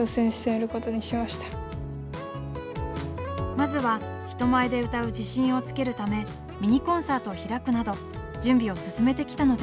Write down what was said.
まずは人前で歌う自信をつけるためミニコンサートを開くなど準備を進めてきたのです。